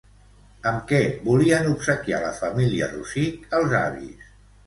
Amb què volien obsequiar la família Rosich als avis?